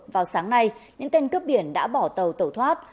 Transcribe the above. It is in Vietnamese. vào sáng nay những tên cướp biển đã bỏ tàu tẩu thoát